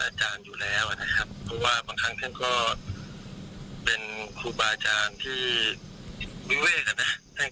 เพราะว่าบางทางท่านก็เป็นคู่บาอาจารย์ที่วิเว้กันนะ